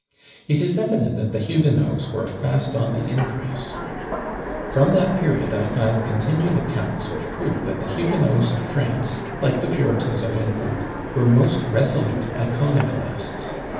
It is evident that the Huguenots were fast on the increase. From that period I find continued accounts which prove that the Huguenots of France, like the Puritans of England, were most resolute iconoclasts.